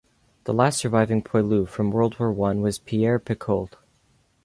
The last surviving poilu from World War One was Pierre Picault.